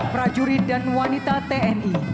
prajurit dan wanita tni